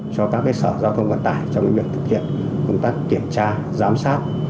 cho các sở giao thông vận tải trong việc thực hiện công tác kiểm tra giám sát